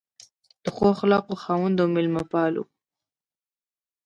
د ښو اخلاقو خاوند او مېلمه پال و.